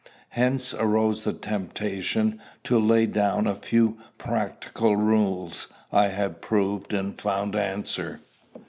Hence arose the temptation to lay down a few practical rules I had proved and found answer.